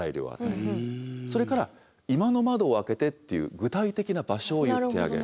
それから居間の窓を開けてっていう具体的な場所を言ってあげる。